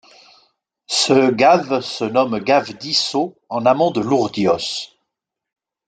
Ce gave se nomme gave d'Issaux en amont de Lourdios.